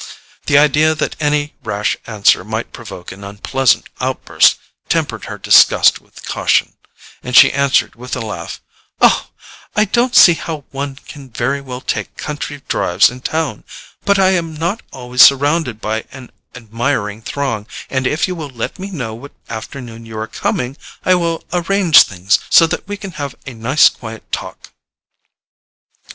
The idea that any rash answer might provoke an unpleasant outburst tempered her disgust with caution, and she answered with a laugh: "I don't see how one can very well take country drives in town, but I am not always surrounded by an admiring throng, and if you will let me know what afternoon you are coming I will arrange things so that we can have a nice quiet talk."